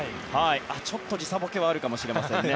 ちょっと時差ボケはあるかもしれませんが。